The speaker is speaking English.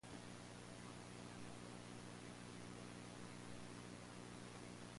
Yukon Flats School District operates the Circle School.